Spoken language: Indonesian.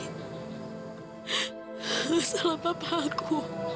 masalah papa aku